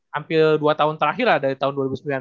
hampir dua tahun terakhir lah dari tahun dua ribu sembilan belas